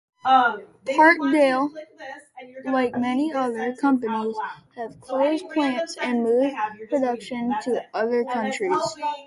Parkdale, like many other companies, has closed plants and moved production to other countries.